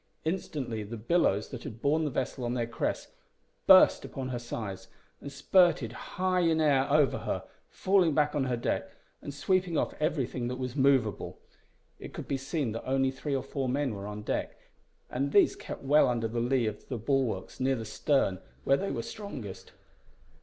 Instantly the billows that had borne the vessel on their crests burst upon her sides, and spurted high in air over her, falling back on her deck, and sweeping off everything that was moveable. It could be seen that only three or four men were on deck, and these kept well under the lee of the bulwarks near the stern where they were strongest.